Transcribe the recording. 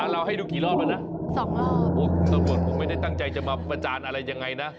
เราให้ดูกี่รอบมานะตำรวจผมไม่ได้ตั้งใจจะมาประจานอะไรยังไงนะ